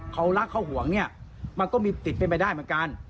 เขารักเขาห่วงเนี่ยมันก็มีติดเป็นไปได้เหมือนกัน